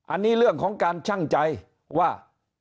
อันนี้เรื่องของการชั่งใจว่า